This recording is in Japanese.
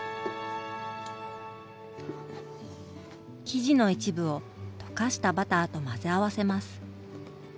生地の一部を溶かしたバターと混ぜ合わせます。